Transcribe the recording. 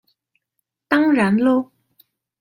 當然囉